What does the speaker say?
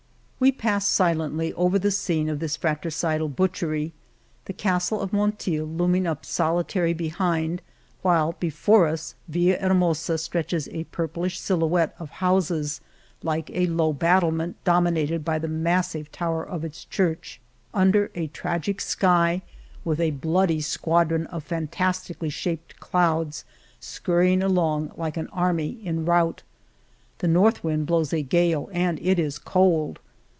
We pass silently over the scene of this fratricidal butchery — the Castle of Monteil looming up solitary behind, while before us Villahermosa stretches a purplish silhouette of houses, like a low battlement dominated by the massive tower of its church — under a tragic sky with a bloody squadron of fantas tically shaped clouds scurrying along like an army in rout. The north wind blows a gale, io6 Monteil and it is cold.